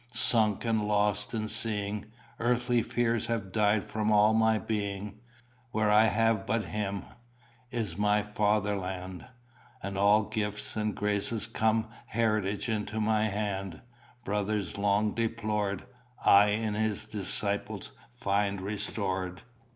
Sunk and lost in seeing, Earthly fears have died from all my being. Where I have but Him Is my Fatherland; And all gifts and graces come Heritage into my hand: Brothers long deplored I in his disciples find restored."